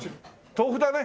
豆腐だね。